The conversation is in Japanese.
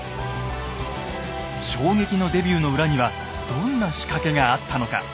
衝撃のデビューの裏にはどんな仕掛けがあったのか。